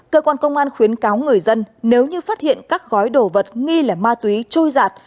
cơ quan công an khuyến cáo người dân nếu như phát hiện các gói đồ vật nghi là ma túy trôi giạt